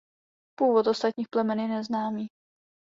Původ ostatních plemen je neznámý.